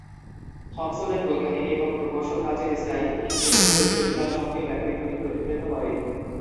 থমসনের বৈজ্ঞানিক এবং প্রকৌশল কাজের স্টাইল এবং চরিত্রটি তার সক্রিয় ব্যক্তিত্বকে প্রতিফলিত করে।